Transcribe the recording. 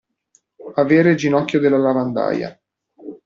Avere il ginocchio della lavandaia.